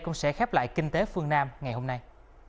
cũng sẽ khép lại kinh tế phương nam ngày hôm nay